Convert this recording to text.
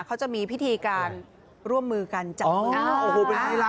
เขาจะมีพิธีการร่วมมือการกำจัดพืช